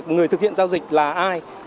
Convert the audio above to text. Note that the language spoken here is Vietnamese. người thực hiện giao dịch là ai